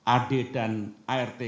ad dan art